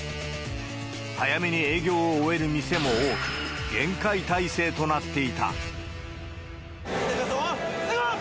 早めに営業を終える店も多く、厳戒態勢となっていた。